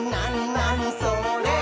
なにそれ？」